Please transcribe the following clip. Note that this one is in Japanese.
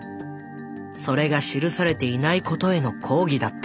それが記されていないことへの抗議だった。